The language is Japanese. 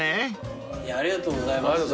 ありがとうございます。